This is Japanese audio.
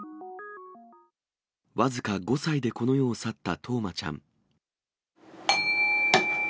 僅か５歳でこの世を去った冬生ちゃん。